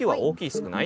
少ない？